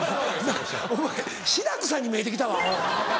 お前志らくさんに見えて来たわアホ。